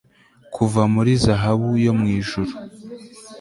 Kuva muri zahabu yo mwijuru